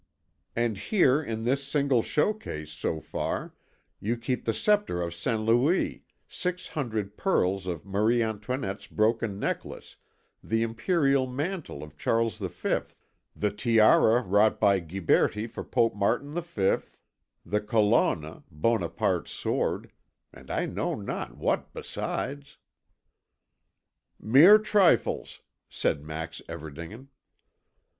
And here in this single show case, Sophar, you keep the sceptre of St. Louis, six hundred pearls of Marie Antoinette's broken necklace, the imperial mantle of Charles V, the tiara wrought by Ghiberti for Pope Martin V, the Colonna, Bonaparte's sword and I know not what besides." "Mere trifles," said Max Everdingen.